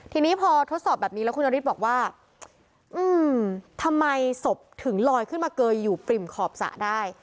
ทีนี้พอทดสอบแบบนี้แล้วคุณนฤทธิ์บอกว่าอืมทำไมศพถึงลอยขึ้นมาเกยอยู่ปริ่มขอบสระได้